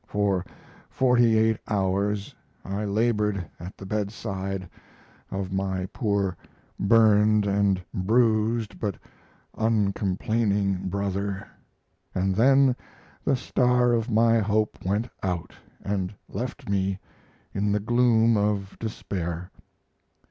For forty eight hours I labored at the bedside of my poor burned and bruised but uncomplaining brother, and then the star of my hope went out and left me in the gloom of despair.